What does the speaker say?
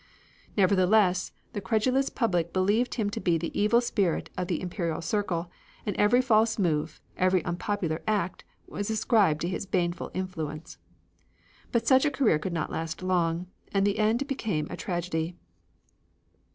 Nevertheless the credulous public believed him to be the evil spirit of the Imperial circle, and every false move, every unpopular act, was ascribed to his baneful influence. But such a career could not last long, and the end became a tragedy.